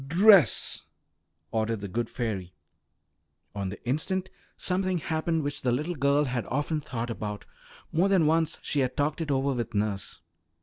"Dress!" ordered the good fairy. On the instant something happened which the little girl had often thought about; more than once she had talked it over with nurse.